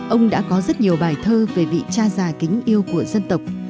ông đã có rất nhiều bài thơ về vị cha già kính yêu của dân tộc